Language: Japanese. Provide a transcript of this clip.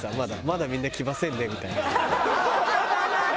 「まだみんな来ませんね」みたいな。